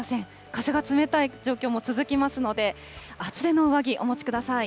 風が冷たい状況も続きますので、厚手の上着、お持ちください。